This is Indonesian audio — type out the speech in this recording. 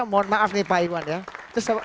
mohon maaf nih pak iwan ya